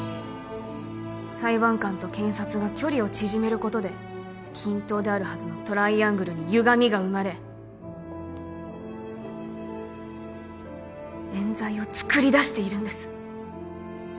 裁判官と検察が距離を縮めることで均等であるはずのトライアングルにゆがみが生まれ冤罪をつくり出しているんです